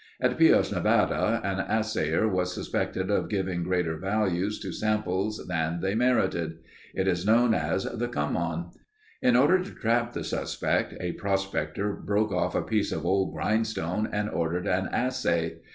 At Pioche, Nevada, an assayer was suspected of giving greater values to samples than they merited. It is known as the "come on." In order to trap the suspect, a prospector broke off a piece of old grindstone and ordered an assay.